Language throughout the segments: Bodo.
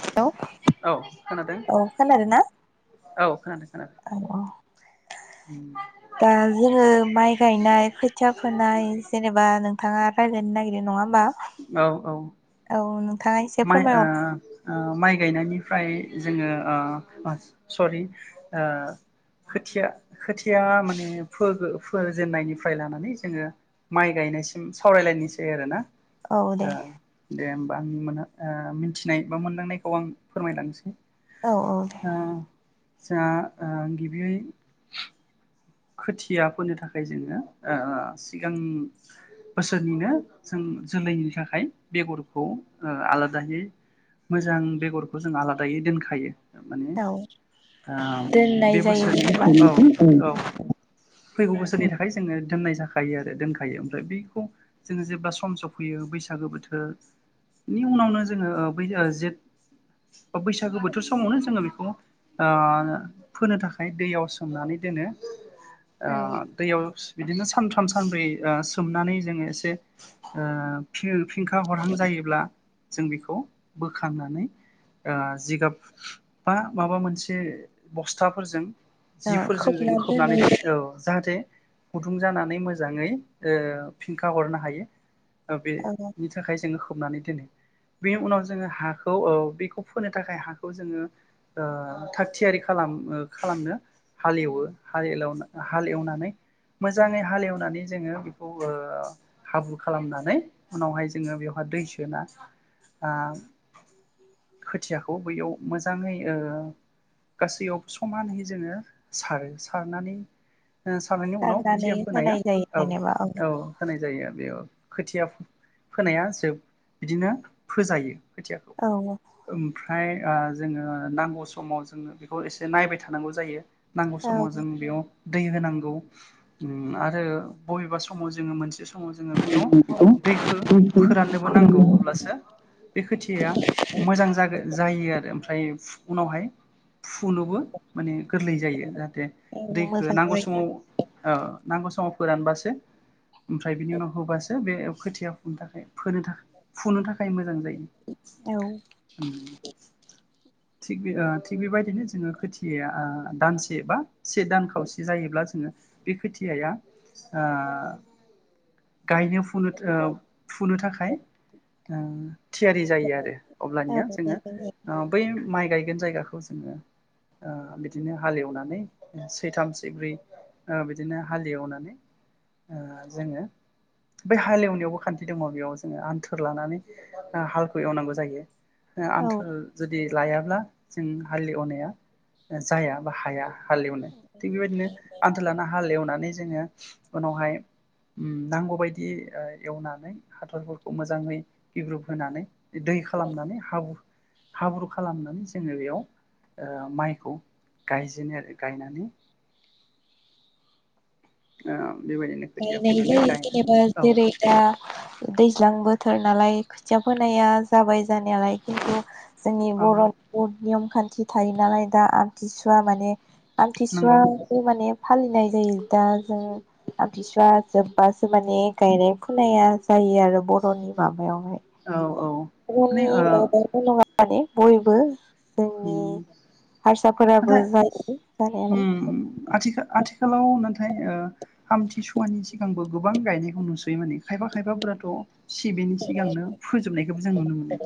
हेलौ औ खोनादों औ खोनादों ना? औ खोनादों। खोनादों औ-औ दा जोङो माइ गायनाय खोथिया फोनाय जेनेबा नोंथाङा राय्लायनो नागिरदों नङा होमबा? औ औ थाङा एसे फोरमायहर आ माइ गायनायनिफ्राय जोङो आ आ सरि ओ खोथिया खोथिया माने फोजेननायनिफ्राय लानानै जोङो माइ गायनायसिम सावरायलायनोसै आरोना? ओ औ दे दे ओम [unintelligible] आ मिथिनाय बा मोनदांनायखौ आं फोरमायलांनोसै औ-औ दे। ओ जोंहा आ गिबियै खोथियाफोनो थाखाय जोङो ओ-ओ सिगां बोसोरनिनो जों जोलैनि थाखाय बेगरखौ ओ आलादायै मोजां बेगरखौ जों आलादायै दोनखायो। माने औ आ दोननाय बे जायो जेनेबा बोसोरनिखौ औ-औ। फैगौ बोसोरनि थाखाय जोङो दोन्नाय जाखायो आरो दोनखायो ओमफ्राय बेखौ जोङो जेब्ला सम समफैयो बैसागो बोथोर नि उनावनो जोङो बै जेठ बैसागो बोथोर समावनो जोङो बेखौ फोनो थाखाय दैयाव सोमनानै दोनो। आ औ दैयाव बिदिनो सानथाम सानब्रै ओ सोमनानै जोङो एसे ओ फिं फिंखा हरहां जायोब्ला जों बेखौ बोखांनानै ओ जिगाब बा माबा मोनसे बस्थाफोरजों आ जिफोरजों खोबना जोङो खोबनानै दोननाय जायो। औ जाहाथे गुदुं जानानै मोजाङै ओ फिनखा हरनो हायो। ओ बे औ नि थाखाय जोङो खोबनानै दोनो। बेनि उनाव जोङो हाखौ औ बेखौ फोनो थाखाय हाखौ जोङो ओ थाग थियारि खालाम ओ खालामनो हालएवो हालएलावनो हालएवनानै मोजाङै हालेवनानै जोङो बेखौ ओ हाब्रु खालामनानै उनावहाय जोङो बेवहाय दै सोना आं खोथियाखौ बैयाव मोजां मोजाङै ओ गासैयावबो समानैहै जोङो सारो सारनानै [unintelligible] उनाव सारनानै खोथिया फोनाया होनाय जायो औ जेनेबा औ होनाय जायो बेयाव खोथिया फोनाया जोब बिदिनो फोजायो। खोथियाखौ औ ओमफ्रा य जोङो नांगौ समाव जोङो बेखौ एसे नायबाय थानांगौ जायो। नांगौ औ समाव जों बेयाव दै होनांगौ उम आरो बबेबा समाव जोङो मोनसे दङ जोङो बेखौ दैखो फोराननोबो नांगौ अब्लासो बे खोथियाया मोजां जागो जायो आरो ओमफ्राय उनावहाय फुनोबो माने गोरलै जायो जाहाथे दै औ मोजां नांगौ जायो समाव ओ नांगौ समाव फोरानबासो ओमफ्राय बिनि उनाव होबासो बे खोथिया फुनो थाखाय फोनो थाख फुनो थाखाय मोजां जायो। औ उम थिग बे आ थिग बेबायदिनो जोङो खोथिया दानसे बा से दान खावसे [unintelligible] बे खोथियाया आ गायनो फुनो ओ फुनो थाखाय थियारि जायो आरो औ अब्लानिया मोजां जोङो जायो अ बै माइ गायगोन जायगाखौ [unintelligible] बिदिनो हालेवनानै सैथाम सैब्रै ओ बिदिनो हालेवनानै ओ जोङो बै हालेवनायावबो खान्थि दङ बेयाव जोङो आन्थुर लानानै हालखौ एवनांगौ जायो। औ आन्थोर जुदि लायाब्ला जों हाल एवनाया जाया बा हाया हालिउनो। बेबायदिनो [unintelligible] हाल एवनानै जोङो उनावहाय उम नांगौबायायदि ओ एवनानै हाथरफोरखौ मोजाङै गिब्रुब होनानै दै खालामनानै हाबु हाब्रु खालामनानै जोङो बेयाव ओ माइखौ गायजेनो आरो गायनानै [unintelligible] खोथिया [unintelligible] फुनानै गायनानै जेनेबा औ जेरै दा दैज्लांबो थोर नालाय खोथिया फोनाया जाबाय जानायालाय खिन्थु जोंनि बर' औ [unintelligible] आमखान्थि थायो नालाय दा आमथिसुवा माने आमथिसुवा नंगौ माने फालिनाय जायो दा जों आमबिसुवा जोब बासो माने गायनाय खोनाया जायो आरो बर'नि माबा माबायावहाय औ माने रनि ओ मल नङा माने बयबो जोंनि नाथाय हारसाफोराबो जायो जानायालाय आथिखाल आथिखालाव नाथाय आमथिसुवानि सिगांबो गोबां गायनायखौ नुसोयो माने खायफा खायफाफोराथ सिबिनि सिगांनो फोजोबनायखौबो जों नुनो मोनो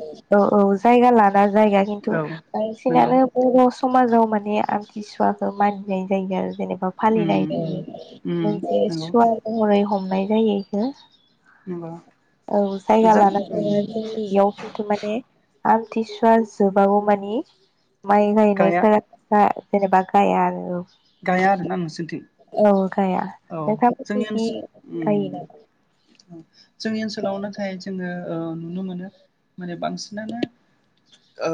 ना जायगा खिन्थु औ नंगौ बांसिनानो बर समाजाव‌ माने आमथिसुवखो मानिनाय जायो आरो जेने बा उम फालिनाय उम जायो उम मोनसे नंगौ सुवा‌ महरै हम नाय जायो इखो ओमबा औ जायगा लानानै जोंनियाव खिन्थु माने आमथिसुवा जोबागौ मानि माइ गाया गायनायफोरा बा जेनेबा गाया आरो औ गाया आरो ना नोंसोरनि औ गाया औ जोंनि नोंथांमोननिखि ओनसोल गायो नामा? ओम जोंनि ओनसो लाव नाथाय जोङो ओ नुनो मोनो माने बांसिनानो ओ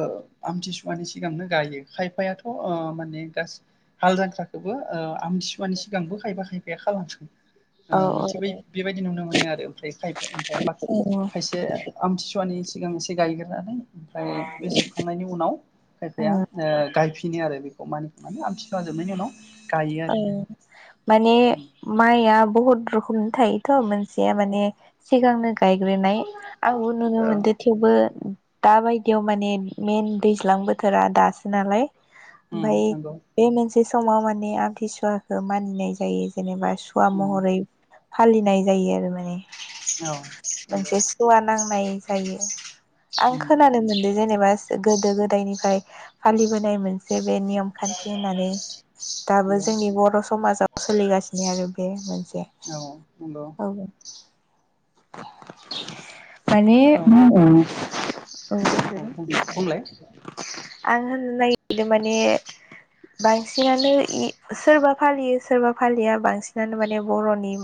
आमथिसुवानि सिगांनो गायो खायफायाथ ओ माने गासै हाल जांख्राखोबो आमथिसुवानि सिगांबो खायफा खायफा बे [unintelligible] औ ओ थिग बाय बेबायदि नुनो मोनो आरो ओमफ्राय खायफाया ओमफ्राय बाख औ खायसे आमथिसुवानि सिगां एसे गायग्रानै ओमफ्राय बे जोबखांनायनि उनाव खायफाया औ ओ गायफि नो आरो बेखौ मानिखांनानै आमथिसुवा जोबनायनि उनाव गायो औ आरो माने माया बुहुत रोखोम थायोथ' मोनसेया माने सिगांनो गायग्रोनाय आंबो नुनो ओ मोनदो थेवबो दाबायदियाव माने मेन दैज्लां बोथोरा दासो नालाय उम ओमफाय नंगौ बे मोनसे बे समाव माने आं इसरबो मानिनाय जायो जेनेबा सुवा उम महरै फालिनाय जायो आरो माने। औ नंगौ मोनसे सुवा नांनाय जायो। आं उम खोनानो मोनदो जेनेबा गोदो गोदायनिफाय फालिबोनाय मोन से बे नियम खान्थि होननानै दाबो नंगौ जोंनि बर समाजाव सोलिगासिनो आरो बे मोनसेया औ नंगौ औ माने बियो औ औ। औ बुं बुंलाय आं होननो नागिरदों माने बांसिनानो सोरबा फालियो सोरबा फालिया बांसिनानो माने बर'नि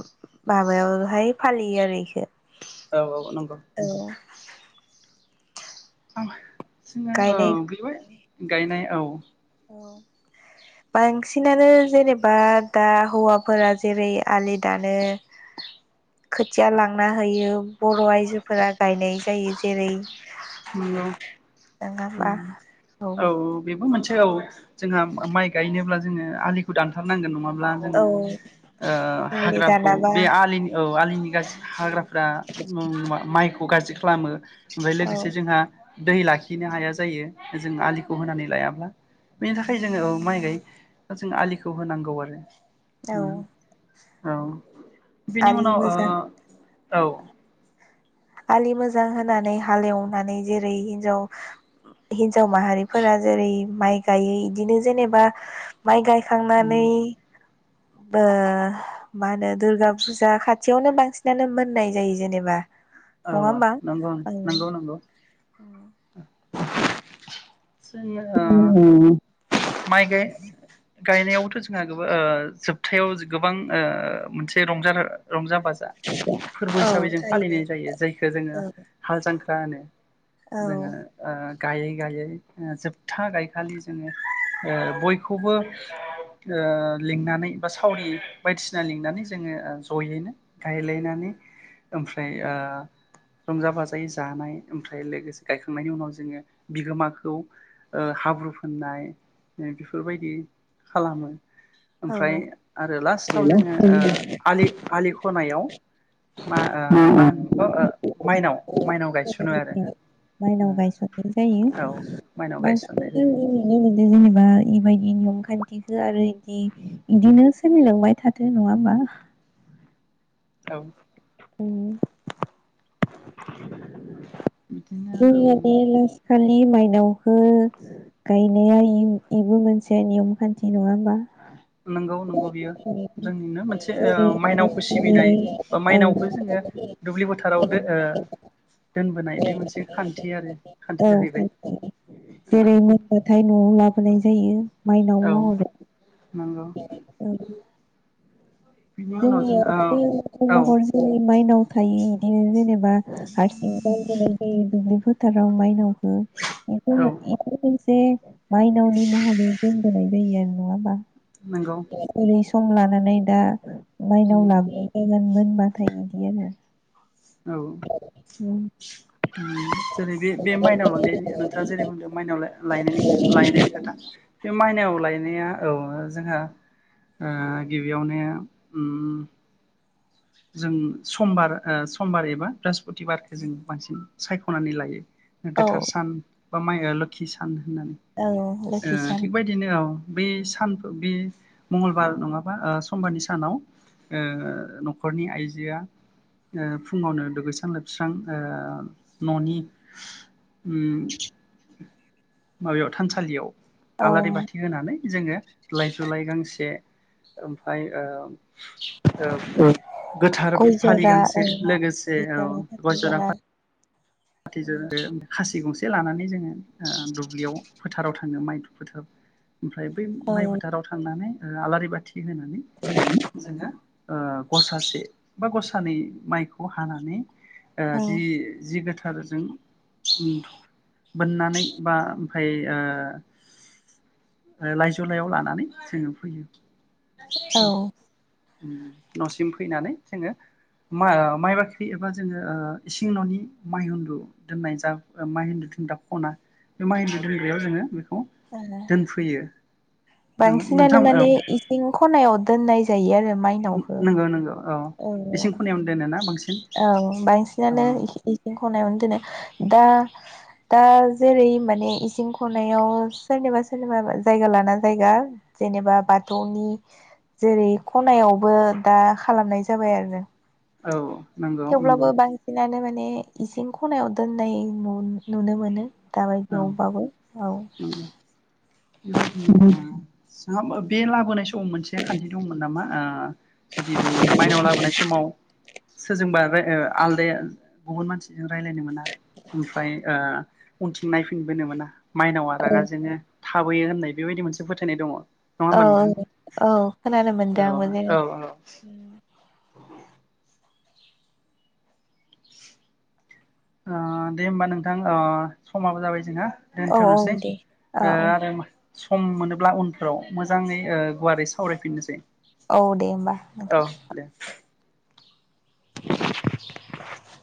माबायावहाय फालियो आरोखि। ए औ औ। अ नंगौ। औ। जोंना औ गायनाय गैबाय। गायनाय औ। बांसिनानो जेनेबा दा हौवाफोरा जेरै आलि दानो खोथिया लांना होयो। बर आयजोफोरा गायनाय जायो जेरै नंगौ नङाबा औ। बेबो औ मोनसे जोंहा माइ गायनोब्ला जोङो आलिखौ दानथारनांगोन नङा मा औ होनो ओ आलि दानाबा हाग्राफ्रा माइक। खौ गाज्रि खालामो। ओमफ्राय औ लोगोसे जोंहा दै लाखिनो हाया जायो जों आलिखौ होनानै लायाब्ला बेनि थाखाय जोङो औ माइ गाय जों आलिखौ होनांगौ आरो। औ उम। औ। बेनि आलि उनाव ओ मोजां औ। आलि मोजां होनानै हालेवनानै जेरै हिनजाव हिनजाव माहारिफोरा जेरै माइ गायो इदिनो जेनेबा माइ गायखांनानै उम ओ मा होनो दुर्गा फुजा खाथियावनो बांसिनानो मोननाय जायो जेनेबा। नङा औ होमबा नोंगौ नोंगौ नोंगौ। जोङो औ माइ गाय-गायनायावथ' जोंहा गोब ओ जोबथायाव गोबां ओ मोनसे रंजानो रंजा फाजा फोरबो औ हिसाबै जों थायो फालिनाय जायो जायखो जोङो हाल जांख्रा होनो औ जोङो ओ गायै गायै ओ जोबथा गायखालि जोङो ओ बयखौबो ओ लिंनानै बा सावरि बायदिसिना लिंनानै जोङो जयैनो गायलायनानै ओमफ्राय ओ रंजा बाजायै जानाय ओमफ्राय लोगोसे गायखांनायनि उनाव जोङो बिगोमाखौ खौ ओ हाब्रु फोननाय बेफोरबायदि खालामो। औ ओमफ्राय आरो लास्टाव जोङो ओ आलि आलि खनायाव मा ओ मा होनो बेखौ ओ माइनाव माइनाव गायसनो आरो ओ औ। माइनाव गायसननाय मानसिफोरखौ जायो नुनो मोनदों [unintelligible] बा इबायदि नेयमखाय इदि होआ आरो इदि इदिनो सोलिलांबाय थाथो नङा होमबा? औ। उम। [unintelligible] जों ओम इदि लास खालि माइनावखो गायनाया इ-इबो मोनसे नियम खान्थि नङा होमबा? नंगौ नंगौ बियो जेरै जोंनिनो मोनसे ओ माइनावखौ सिबिनाय बा औ माइनावखौ जोङो दुब्लि फोथाराव दो ओ दोन बोनाय बे मोनसे खान्थि आरो औ खान्थि जाहैबाय। खान्थि जेरै मोनबाथाय न'आव लाबोनाय जायो। माइनाव महरै। नंगौ [unintelligible] औ। [unintelligible] जोङो जोंनियाव औ औ [unintelligible] हर जोंनि माइनाव थायो इदिनो जेनेबा बा हारसिं गारबोनाय जायो दुब्लि बा फोथाराव मायनाव खो औ एफोमो एफो मोनसे माइनावनि महरै दोन होनाय जायो आरो नङा होमबा? नंगौ औ [unintelligible] सम लानानै दा माइनाव लाबनाय जादोंमोन। नाथाय बिदियानो। औ। जेरै बे बे माइनाव लांनाय नोंथाङा जेरै बुंदों माइनाव लायनायनि लायनायनि खोथा बे माइनाव लाय लायनाया औ जोंहा ओ गिबियावनो उम जों समबार ओ समबार एबा बृहस्पतिबारखो जों बांसिन सायखनानै लायो। औ गोथार सान बा माइ ओ लोखि सान होननानै औ ओ लोखि सान थिग बायदिनो औ। बे सान फो बे मंगलबार नङाबा ओ समबारनि सानाव ओ नखरनि आइजोआ ओ फुङावनो दुगैस्रां लोबस्रां ओ ननि उम माबायाव थानसालियाव औ आलारि बाथि होनानै जोङो लाइजु लाइ गांसे ओमफाय ओ ओ। गोथार फालि गांसे लोगोसे गय औ जरा गय फाथै जरा फा फाथै जरादो खासि गंसे से लानानै जोङो ओ दुब्लियाव फोथाराव थाङो माइ दु फोथाराव। ओमफ्राय बै औ माइ फोथाराव थांनानै ओ आलारि बाथि होनानै जोङो ओ गसासे बा गसा नै माइखौ हानानै ओ औ जि-जि गोथा थारजों उम बोननानै बा ओमफाय ओ लाइजौ लाइयाव लानानै जोङो फैयो। औ। उम नसिम फैनानै जोङो मा-माइ बाख्रि एबा जोङो ओ इसिं ननि माइ हुन्दु दोननाय जा माइ हुन्दु दोनग्रा खना बे माइ हिन्दु दोनग्रायाव जोङो बे खौ औ दोनफैयो। बांसिनानो नोंथां औ माने इसिं खनायाव दोननाय जायो आरो माइनावखौ नोंगौ नोंगौ। औ नंगौ औ औ बांसिनानो इसिं खनायावनो दोनो। दा दा जेरै माने इसिं खनायाव सोरनिबा सोरनिबा जायगा लाना जायगा जेनेबा बाथौनि जेरै खनायावबो दा खालामनाय जाबाय आरो। औ। नंगौ नंगौ थेवब्लाबो बांसिनानो मान ने इसिं खनायाव दोननाय नु-नुनो मोनो। औ दाबायदियावबाबो औ नंगौ बेबायदिनो ओ [unintelligible] [unintelligible] बे लाबोनाय स द मोनसे खान्थि दंमोन नामा? आ जुदि बै माइनाव लाबोनाय समाव सोरजोंबा राय आलदाया गुबुन मानसि जों रायज्लायनो मोना ओमफ्राय ओ उनथिं नायफिनबोनो मोना माइनावा औ रागा जोङो थाबोयो होननाय बेबायदि मोनसे फोथायनाय दङ औ होमबा नोंथां औ खोनानो औ मोनदों आंबो जे औ औ ओ ओ दे होमबा नोंथां ओ समाबो जाबाय जोंहा औ औ दोनथ'नोसै दे औ ओ औ आरो सम मोनोब्ला उनफोराव मोजाङै ओ गुवारै सावरायफिननोसै औ दे होमबा औ नोंथां दे [unintelligible]